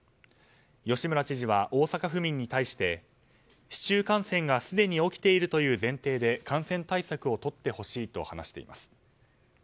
吉村知事は大阪府民に対して市中感染がすでに起きているという前提で感染対策をとってほしいと話しています。